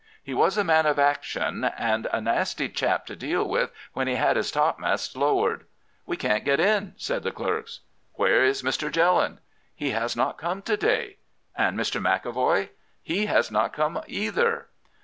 He was a man of action, and a nasty chap to deal with when he had his topmasts lowered. "'We can't get in,' said the clerks. "'Where is Mr. Jelland?' "'He has not come to day.' "'And Mr. McEvoy?' "'He has not come either.